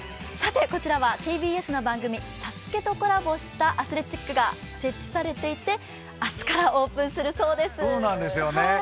こちらはＴＢＳの番組「ＳＡＳＵＫＥ」とコラボしたアスレチックが設置されていて明日からオープンするそうです。